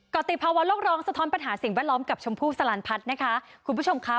ติภาวะโลกร้องสะท้อนปัญหาสิ่งแวดล้อมกับชมพู่สลันพัฒน์นะคะคุณผู้ชมค่ะ